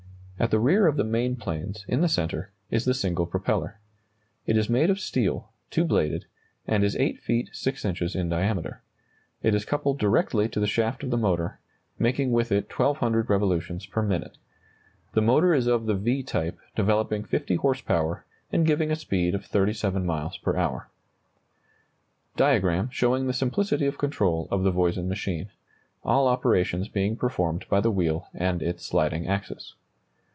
At the rear of the main planes, in the centre, is the single propeller. It is made of steel, two bladed, and is 8 feet 6 inches in diameter. It is coupled directly to the shaft of the motor, making with it 1,200 revolutions per minute. The motor is of the V type, developing 50 horse power, and giving a speed of 37 miles per hour. [Illustration: Diagram showing the simplicity of control of the Voisin machine, all operations being performed by the wheel and its sliding axis.